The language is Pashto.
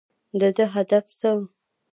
د ده هدف څه و ؟